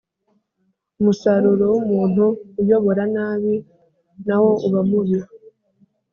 Umusaruro w’umuntu uyobora nabi nawo uba mubi